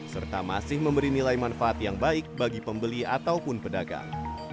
serta masih memberi nilai manfaat yang baik bagi pembeli ataupun pedagang